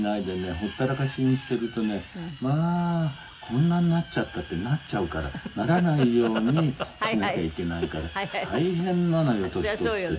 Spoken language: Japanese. ほったらかしにするとねまあこんなになっちゃったってなっちゃうからならないようにしなきゃいけないから大変なのよ年取っていったら」